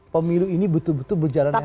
pemilu ini betul betul berjalan netral